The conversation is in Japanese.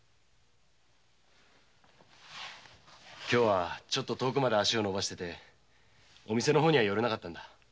今日は遠くまで足をのばしていて店の方には寄れなかったんだ。